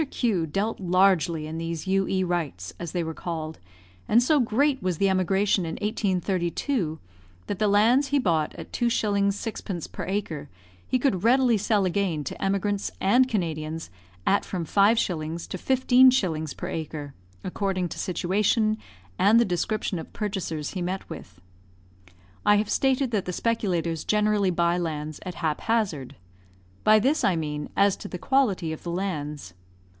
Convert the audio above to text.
Q dealt largely in these "U.E. Rights," as they were called, and so great was the emigration in 1832 that the lands he bought at 2s. 6d. per acre he could readily sell again to emigrants and Canadians at from 5s. to 15s. per acre, according to situation and the description of purchasers he met with. I have stated that the speculators generally buy lands at hap hazard. By this I mean as to the quality of the lands.